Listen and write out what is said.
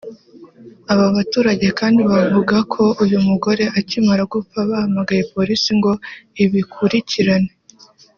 Aba baturage kandi bavuga ko uyu mugore akimara gupfa bahamagaye polisi ngo ibikurikirane